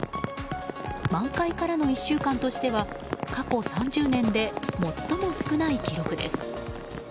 満開からの１週間としては過去３０年で最も少ない記録です。